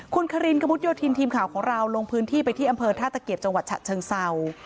คุณคารินกระมุดโยธินทีมข่าวของเราลงพื้นที่ไปที่อำเภอท่าตะเกียบจังหวัดฉะเชิงเศร้า